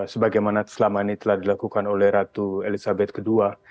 sebagaimana selama ini telah dilakukan oleh ratu elizabeth ii